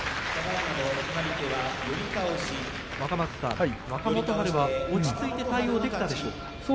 若松さん、若元春は落ち着いて対応できたんですか？